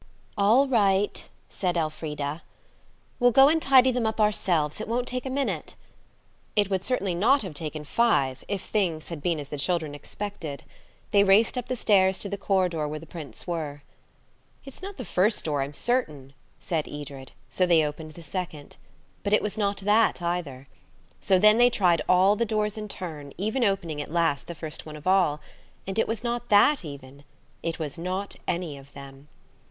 "All right," said Elfrida, "we'll go and tidy them up ourselves. It won't take a minute." It would certainly not have taken five–if things had been as the children expected. They raced up the stairs to the corridor where the prints were. "It's not the first door, I'm certain," said Edred, so they opened the second. But it was not that either. So then they tried all the doors in turn, even opening, at last, the first one of all. And it was not that, even. It was not any of them.